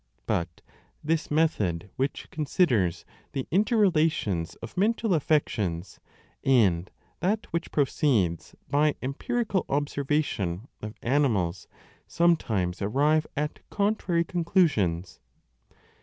3 But this method which considers the inter relations of mental affections and that which proceeds by empirical observation of animals sometimes arrive at contrary conclusions.